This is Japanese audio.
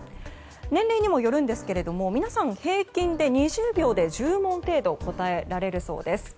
年齢にもよるんですが皆さん平均で２０秒で１０問程度答えられるそうです。